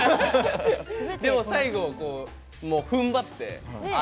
でも最後、ふんばって。